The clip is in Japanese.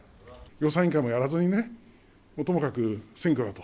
予算委員会もやらずにね、ともかく選挙だと。